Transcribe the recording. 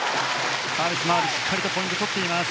サービスでしっかりポイントを取っています。